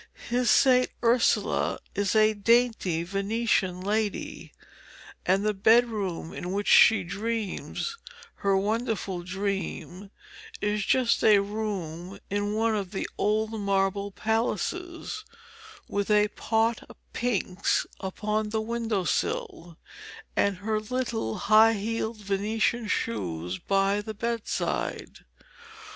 His St. Ursula is a dainty Venetian lady, and the bedroom in which she dreams her wonderful dream is just a room in one of the old marble palaces, with a pot of pinks upon the window sill, and her little high heeled Venetian shoes by the bedside.